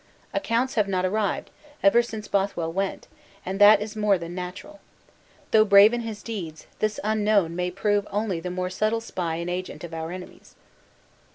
Accounts have not arrived, ever since Bothwell went; and that is more than natural. Though brave in his deeds, this unknown way prove only the more subtle spy and agent of our enemies."